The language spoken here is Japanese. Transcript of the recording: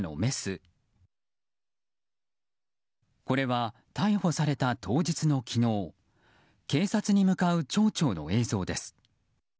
これは逮捕された当時の昨日警察に向かう町長の映像です。